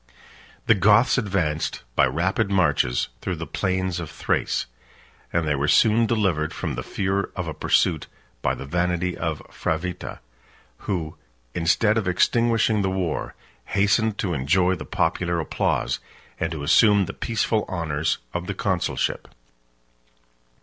The Goths advanced, by rapid marches, through the plains of Thrace; and they were soon delivered from the fear of a pursuit, by the vanity of Fravitta, 3811 who, instead of extinguishing the war, hastened to enjoy the popular applause, and to assume the peaceful honors of the consulship.